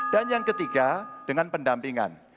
dan yang ketiga dengan pendampingan